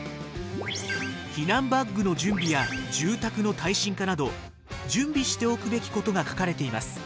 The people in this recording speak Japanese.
避難バッグの準備や住宅の耐震化など準備しておくべきことが書かれています。